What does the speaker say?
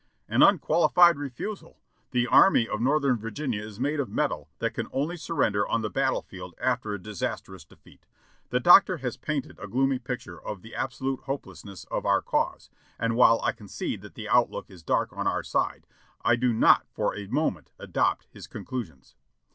"An unqualified refusal. The Army of Northern Virginia is made of metal that can only surrender on the battle field after a disastrous defeat. The Doctor has painted a gloomy picture of the absolute hopelessness of our cause, and while I concede that the outlook is dark for our side, I do not for a moment adopt his conclusions.